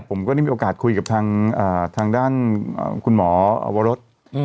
ผมก็ได้มีโอกาสคุยกับทางเอ่อทางด้านเอ่อคุณหมอวรสอืม